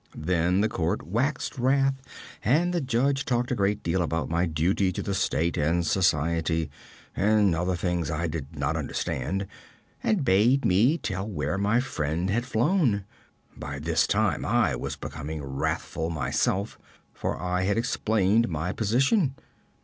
Then the court waxed wrath, and the judge talked a great deal about my duty to the state, and society, and other things I did not understand, and bade me tell where my friend had flown. By this time I was becoming wrathful myself, for I had explained my position.